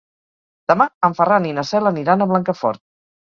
Demà en Ferran i na Cel aniran a Blancafort.